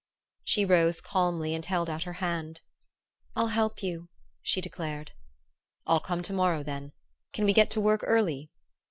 She rose calmly and held out her hand. "I'll help you," she declared. "I'll come to morrow, then. Can we get to work early?"